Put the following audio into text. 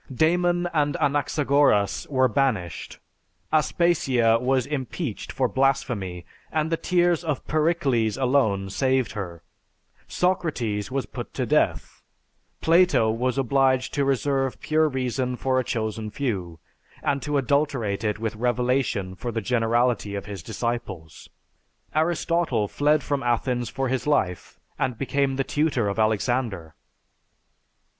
"Damon and Anaxagoras were banished; Aspasia was impeached for blasphemy and the tears of Pericles alone saved her; Socrates was put to death; Plato was obliged to reserve pure reason for a chosen few, and to adulterate it with revelation for the generality of his disciples; Aristotle fled from Athens for his life, and became the tutor of Alexander."